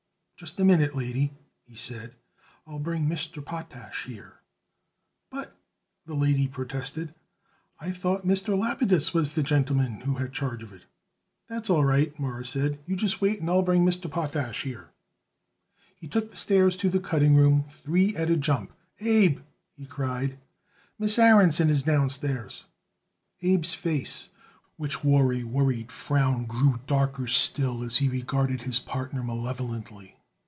"Just a minute, lady," he said, "and I'll bring Mr. Potash here." "But," the lady protested, "I thought Mr. Lapidus was the gentleman who had charge of it." "That's all right," Morris said, "you just wait and I'll bring Mr. Potash here." He took the stairs to the cutting room three at a jump. "Abe," he cried, "Miss Aaronson is downstairs." Abe's face, which wore a worried frown, grew darker still as he regarded his partner malevolently.